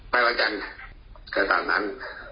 ไปวันจันทร์แต่ต่างนั้น